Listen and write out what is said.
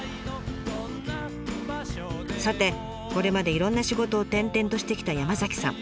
さてこれまでいろんな仕事を転々としてきた山さん。